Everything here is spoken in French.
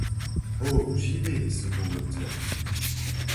Oh ! j’y vais, ce bon docteur.